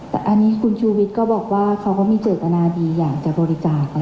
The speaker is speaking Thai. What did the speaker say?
แต่อันนี้คุณชูวิทย์ก็บอกว่าเขาก็มีเจตนาดีอยากจะบริจาค